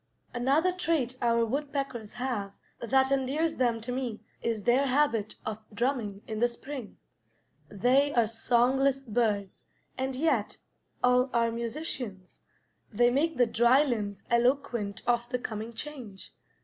Another trait our woodpeckers have that endears them to me is their habit of drumming in the spring. They are songless birds, and yet all are musicians; they make the dry limbs eloquent of the coming change.